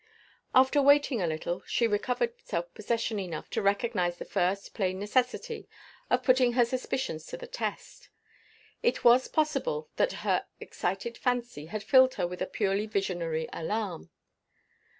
After waiting a little, she recovered self possession enough to recognize the first plain necessity of putting her suspicions to the test. It was possible that her excited fancy had filled her with a purely visionary alarm.